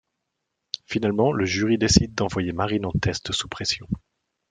Finalement, le jury décide d'envoyer Marine en test sous pression.